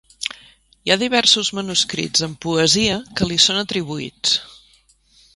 Hi ha diversos manuscrits amb poesia que li són atribuïts.